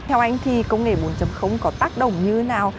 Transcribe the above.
theo anh thì công nghệ bốn có tác động như thế nào